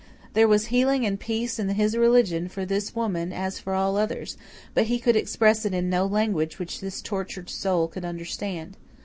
There was healing and peace in his religion for this woman as for all others, but he could express it in no language which this tortured soul could understand.